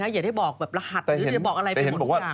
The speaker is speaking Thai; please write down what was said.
อย่าได้บอกรหัสอย่าได้บอกอะไรไปหมดทุกอย่าง